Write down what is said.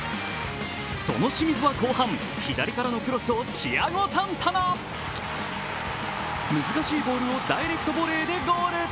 その清水は後半左からのクロスをチアゴ・サンタナ難しいボールをダイレクトボレーでゴール。